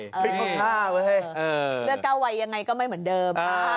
เลือก๙วัยยังไงก็ไม่เหมือนเดิม